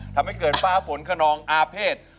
ทำให้เกิดฟ้าฝนขนองอาเภษ